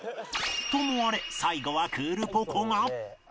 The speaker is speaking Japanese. ともあれ最後はクールポコ。が